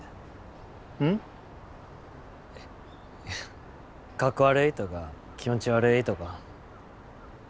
いやかっこ悪いとか気持ち悪いとか。